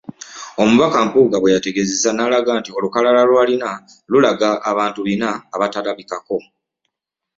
Omubaka Mpuuga bwe yategeezezza n'alaga nti olukalala lw'alina lulaga abantu Bina abatalabikako.